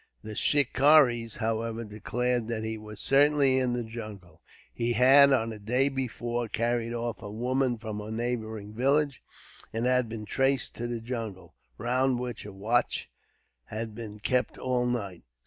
The shikaris, however, declared that he was certainly in the jungle. He had, on the day before, carried off a woman from a neighbouring village; and had been traced to the jungle, round which a watch had been kept all night.